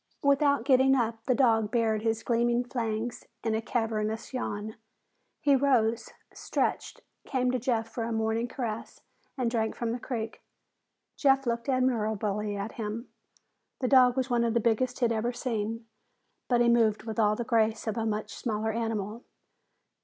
Without getting up, the dog bared his gleaming fangs in a cavernous yawn. He rose, stretched, came to Jeff for a morning caress, and drank from the creek. Jeff looked admiringly at him. The dog was one of the biggest he'd ever seen, but he moved with all the grace of a much smaller animal.